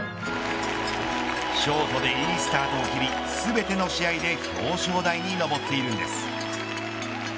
ショートでいいスタートを切り全ての試合で表彰台に上っているんです。